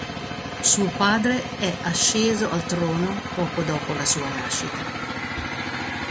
Suo padre è asceso al trono poco dopo la sua nascita.